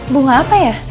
bunga apa ya